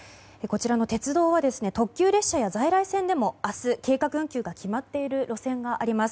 鉄道は特急列車や在来線でも明日、計画運休が決まっている路線があります。